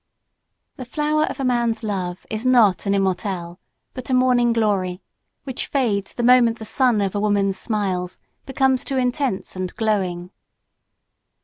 The flower of a man's love is not an immortelle, but a morning glory; which fades the moment the sun of a woman's smiles becomes too intense and glowing.